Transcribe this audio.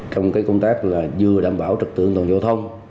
công tác là vừa đảm bảo trực tượng tổng giao thông